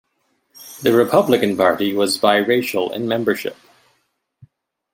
The Republican Party was biracial in membership.